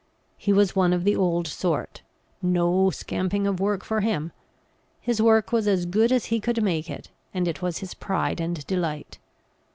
He was one of the old sort no scamping of work for him; his work was as good as he could make it, and it was his pride and delight.